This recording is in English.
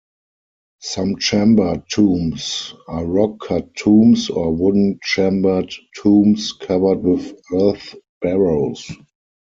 Some chamber tombs are rock-cut tombs or wooden-chambered tombs covered with earth barrows.